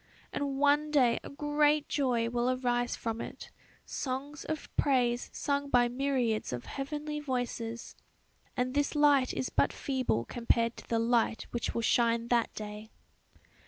And one day a great joy will arise from it; ... songs of praise sung by myriads of heavenly voices; ... and this light is but feeble compared to the light which will shine that day."